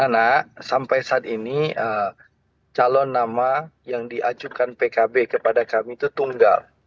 karena sampai saat ini calon nama yang diajukan pkb kepada kami itu tunggal